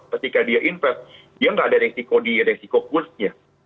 ketika dia invest dia nggak ada resiko dia resiko kursnya